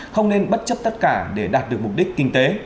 không nên bất chấp tất cả để đạt được mục đích kinh tế